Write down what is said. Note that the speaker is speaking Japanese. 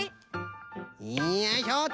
よいしょっと。